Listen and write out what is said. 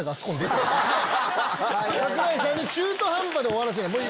櫻井さんに中途半端で終わらせない。